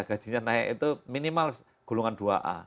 gajinya naik itu minimal golongan dua a